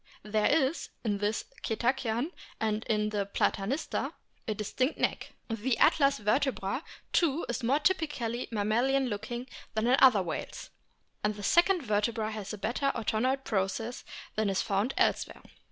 There is in this Cetacean (and in Platanista) a distinct neck. The atlas vertebra too is more typically mammalian looking than in other whales, and the second vertebra has a better odontoid process than is found elsewhere.